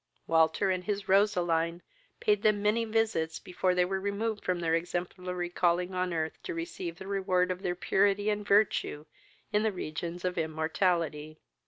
Walter and his Roseline paid them many visits before they were removed from their exemplary calling on earth to receive the reward of their purity and virtue in the regions of immortality.